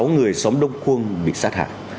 một mươi sáu người xóm đông khuông bị sát hại